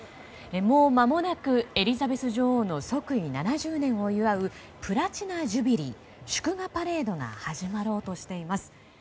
もうまもなくエリザベス女王の即位７０年を祝うプラチナ・ジュビリー祝賀パレードが始まろうとしています。